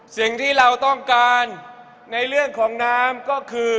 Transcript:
สิ่งที่เราต้องการในเรื่องของน้ำก็คือ